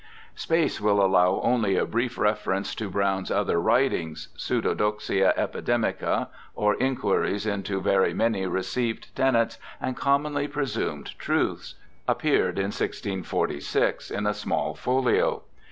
Space will allow only a brief reference to Browne's other writings. Pseudodoxia Epidemica : or, Enquiries into very many received Tenents and commonly presumed Truths, appeared in 1646 in a small folio.